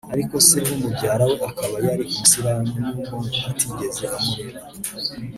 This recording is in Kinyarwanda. ariko se umubyara we akaba yari umuyisiramu nubwo ngo atigeze amurera